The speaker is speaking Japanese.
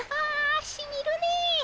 あしみるね。